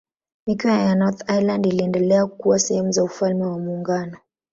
Mikoa ya Northern Ireland iliendelea kuwa sehemu za Ufalme wa Muungano.